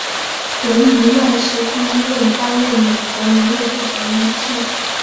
维尼曼是第一位担任美国农业部长的女性。